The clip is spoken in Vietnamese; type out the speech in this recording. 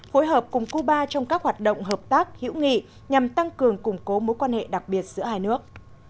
phối hợp cùng cuba trong các hoạt động hợp tác hữu nghị nhằm tăng cường củng cố mối quan hệ đặc biệt giữa hai nước